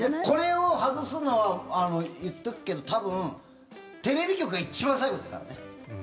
これを外すのは言っておくけど多分、テレビ局が一番最後ですからね。